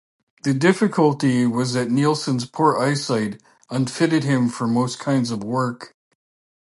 The difficulty was that Neilson's poor eyesight unfitted him for most kinds of work.